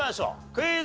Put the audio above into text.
クイズ。